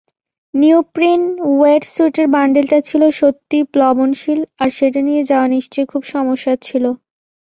Neoprene ওয়েটস্যূটের বান্ডিলটা ছিল সত্যিই প্লবনশীল আর সেটা নিয়ে যাওয়া নিশ্চয় খুব সমস্যার ছিল।